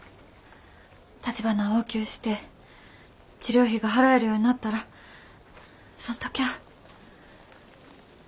たちばなを大きゅうして治療費が払えるようになったらそん時ゃあ。